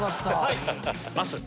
まっすー。